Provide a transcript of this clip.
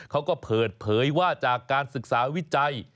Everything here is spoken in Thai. เขาก็เปิดเผยว่าจากการศึกษาวิจัย